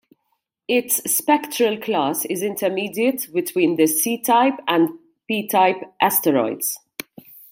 Its spectral class is intermediate between the C-type and P-type asteroids.